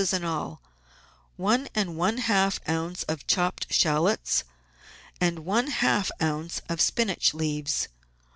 in all), one and one half oz. of chopped shallots, and one half oz. of spinach leaves.